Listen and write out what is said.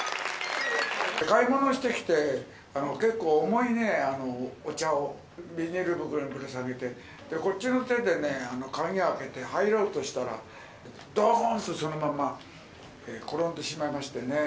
買い物してきて、結構重いね、お茶をビニール袋にぶら下げて、こっちの手でね、鍵開けて入ろうとしたら、どーんとそのまま転んでしまいましてね。